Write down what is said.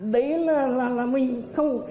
đấy là mình không